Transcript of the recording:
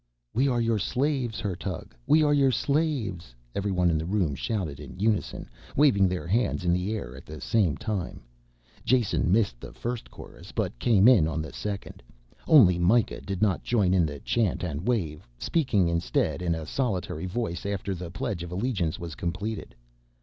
"We are your slaves, Hertug, we are your slaves," everyone in the room shouted in unison, waving their hands in the air at the same time. Jason missed the first chorus, but came in on the second. Only Mikah did not join in the chant and wave, speaking instead in a solitary voice after the pledge of allegiance was completed.